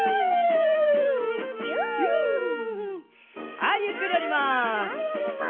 はいゆっくりおります。